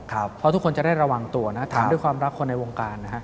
เพราะทุกคนจะได้ระวังตัวนะถามด้วยความรักคนในวงการนะฮะ